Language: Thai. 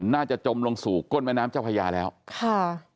จมลงสู่ก้นแม่น้ำเจ้าพญาแล้วค่ะ